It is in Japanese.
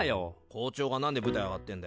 校長がなんで舞台上がってんだよ！